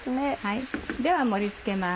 では盛り付けます。